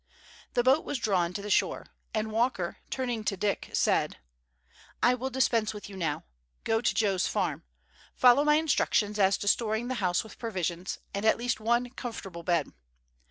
The boat was drawn to the shore, and Walker, turning to Dick, said: "I will dispense with you now. Go to Joe's farm. Follow my instructions as to storing the house with provisions, and at least one comfortable bed.